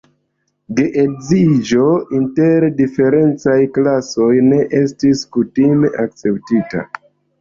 Geedziĝo inter diferencaj klasoj ne estis kutime akceptita.